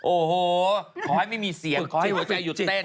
โอ้โหขอให้ไม่มีเสียงขอให้หัวใจหยุดเต้น